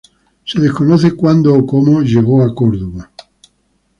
Se desconoce cuándo o cómo llegó a Córdoba.